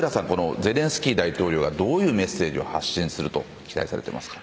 ゼレンスキー大統領はどういうメッセージを発信すると期待されてますか。